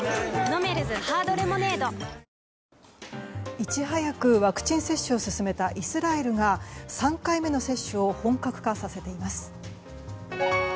いち早くワクチン接種を進めたイスラエルが３回目の接種を本格化させています。